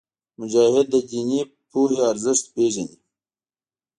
مجاهد د دیني پوهې ارزښت پېژني.